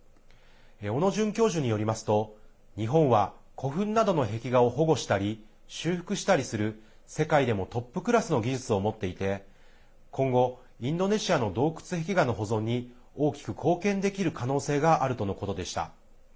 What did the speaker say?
小野准教授によりますと日本は古墳などの壁画を保護したり修復したりする世界でもトップクラスの技術を持っていて今後、インドネシアの洞窟壁画の保存に大きく貢献できる可能性があるとのことでした。